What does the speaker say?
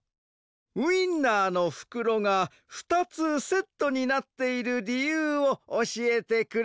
ウインナーのふくろが２つセットになっているりゆうをおしえてくれ。